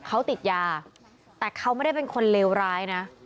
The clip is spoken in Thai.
เขาติดยาแต่เขาไม่ได้เป็นคนเลวร้ายนะ